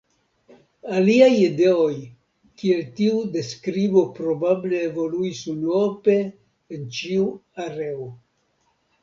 Aliaj ideoj kiel tiu de skribo probable evoluis unuope en ĉiu areo.